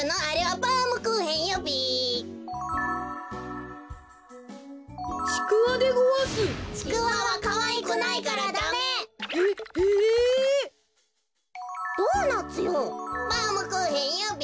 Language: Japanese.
バウムクーヘンよべ。